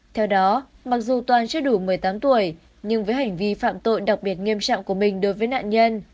theo đó mặc dù toàn chưa đủ một mươi tám tuổi nhưng với hành vi phạm tội đặc biệt nghiêm trọng của mình đối với nạn nhân